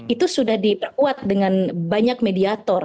itu sudah diperkuat dengan banyak mediator